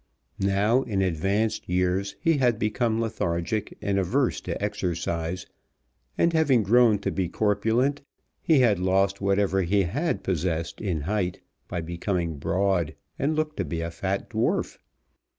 Now, in advanced years, he had become lethargic and averse to exercise; and having grown to be corpulent he had lost whatever he had possessed in height by becoming broad, and looked to be a fat dwarf.